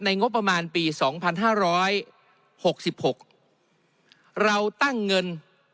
งบประมาณปี๒๕๖๖เราตั้งเงิน